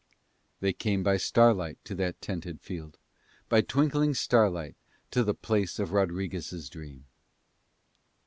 They came by starlight to that tented field, by twinkling starlight to the place of Rodriguez' dream.